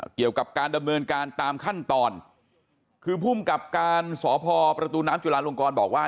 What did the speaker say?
เกี่ยวกับการดำเนินการตามขั้นตอนคือภูมิกับการสพประตูน้ำจุลาลงกรบอกว่า